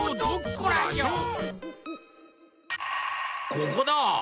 ここだ！